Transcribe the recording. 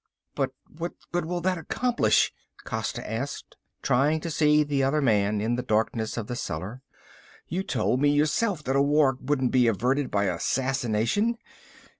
"But what good will that accomplish?" Costa asked, trying to see the other man in the darkness of the cellar. "You told me yourself that a war couldn't be averted by assassination.